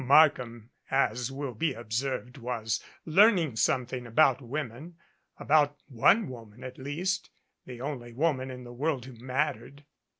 Markham, as will be observed, was learning something about women about 328 one woman at least, the only woman in the world who mattered.